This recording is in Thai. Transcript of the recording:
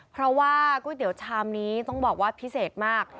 เพราะว่าก๋วยเตี๋ยวชามนี้ต้องบอกว่าพิเศษมาก